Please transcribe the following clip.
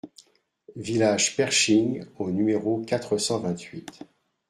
Village Pershing au numéro quatre cent vingt-huit